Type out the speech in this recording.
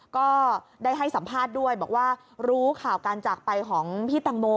ก็ได้ให้สัมภาษณ์ด้วยบอกว่ารู้ข่าวการจากไปของพี่ตังโม